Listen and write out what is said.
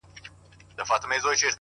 د درد د كړاوونو زنده گۍ كي يو غمى دی _